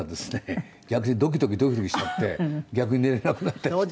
逆にドキドキドキドキしちゃって逆に寝れなくなったりして。